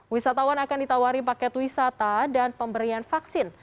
wisatawan akan ditawari paket wisata dan pemberian vaksin